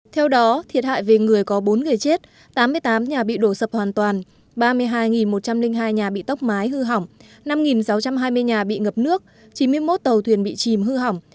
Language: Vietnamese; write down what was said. theo đó thiệt hại về người có bốn người chết tám mươi tám nhà bị đổ sập hoàn toàn ba mươi hai một trăm linh hai nhà bị tốc mái hư hỏng năm sáu trăm hai mươi nhà bị ngập nước chín mươi một tàu thuyền bị chìm hư hỏng